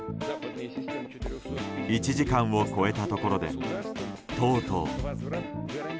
１時間を超えたところでとうとう。